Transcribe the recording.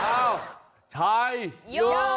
เอ้าใช่โย